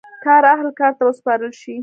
کار اهل کار ته وسپارل شي.